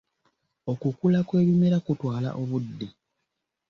Okukula kw'ebimera kutwala obudde.